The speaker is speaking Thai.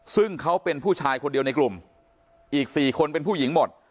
ซึ่งเขาเป็นผู้ชายคนเดียวในกลุ่มอีก๔คนเป็นผู้หญิงหมด